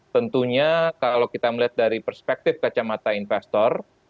tentunya kalau kita melihat dari perspektif kacamata investor